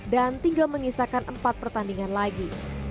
dan tinggal mengisahkan empat pertandingan lagi